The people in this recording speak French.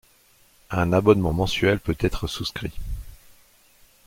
Un abonnement mensuel peut être souscrit.